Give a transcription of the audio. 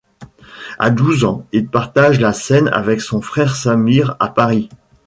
À douze ans, il partage la scène avec son frère Samir à Paris.